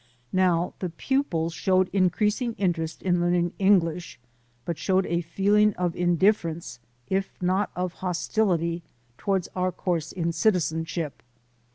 Now the pupils showed increasing interest in learning English, but showed a feeling of indifference, if not of hostility, toward our course in Citizenship.